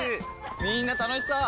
みんな楽しそう！